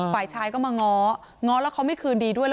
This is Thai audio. ฝ่ายชายก็มาง้อง้อแล้วเขาไม่คืนดีด้วย